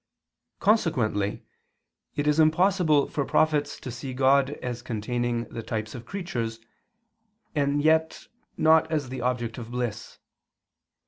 Consequently it is impossible for prophets to see God as containing the types of creatures, and yet not as the object of bliss.